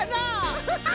ハハハ！